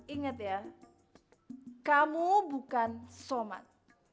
ingat ya kamu bukan somad